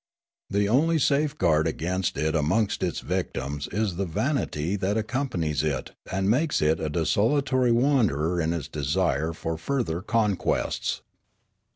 The only safeguard against it amongst its victims is the vanity that accom panies it and makes it a desultory wanderer in its desire for further conquests.